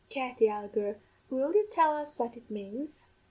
Katty, ahagur, will you tell us what it manes?'